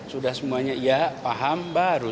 sudah semuanya iya paham baru